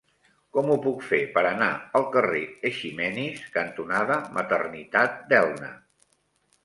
Com ho puc fer per anar al carrer Eiximenis cantonada Maternitat d'Elna?